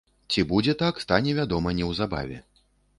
Ці будзе так, стане вядома неўзабаве.